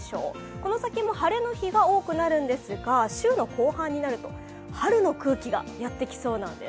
この先も晴れの日が多くなるんですが週の後半になると春の空気がやってきそうなんです。